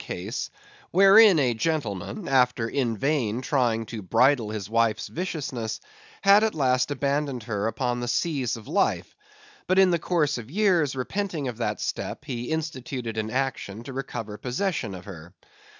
case, wherein a gentleman, after in vain trying to bridle his wife's viciousness, had at last abandoned her upon the seas of life; but in the course of years, repenting of that step, he instituted an action to recover possession of her.